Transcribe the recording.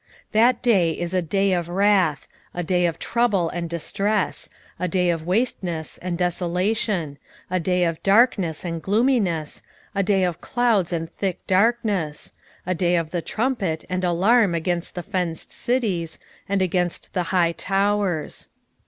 1:15 That day is a day of wrath, a day of trouble and distress, a day of wasteness and desolation, a day of darkness and gloominess, a day of clouds and thick darkness, 1:16 A day of the trumpet and alarm against the fenced cities, and against the high towers.